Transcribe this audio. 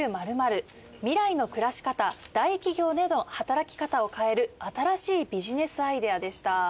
未来大企業での働き方を変える新しいビジネスアイデアでした。